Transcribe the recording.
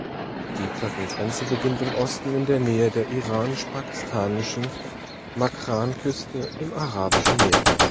Die Plattengrenze beginnt im Osten in der Nähe der iranisch-pakistanischen Makran-Küste im Arabischen Meer.